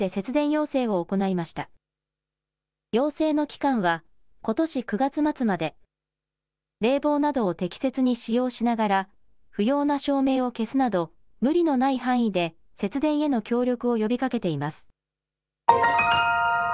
要請の期間は、ことし９月末まで、冷房などを適切に使用しながら、不要な照明を消すなど、無理のない範囲で節電への協力を呼びかけています。